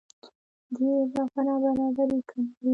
دې اضافه نابرابرۍ کموي.